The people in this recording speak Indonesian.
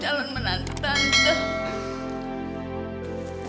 jalan menantang tante